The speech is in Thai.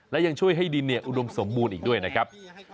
และยังช่วยให้ดินอุดมสมบูรณ์อีกด้วยนะครับ